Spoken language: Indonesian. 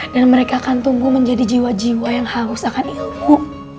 dan mereka akan tumbuh menjadi jiwa jiwa yang haus akan ilmu